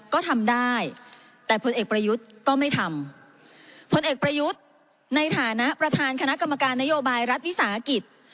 ก็ทำได้แต่พลเอกประยุทธ์ก็ไม่ทำผลเอกประยุทธ์ในฐานะประธานคณะกรรมการนโยบายรัฐวิสาหกิจ